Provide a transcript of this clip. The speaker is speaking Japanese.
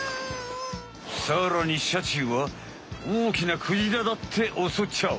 さらにシャチは大きなクジラだっておそっちゃう。